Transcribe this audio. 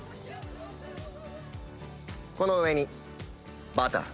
この上にバター。